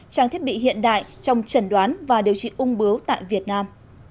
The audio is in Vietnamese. trang thiết bị hiện đại trong trần đoán và điều trị ung bướu tại việt nam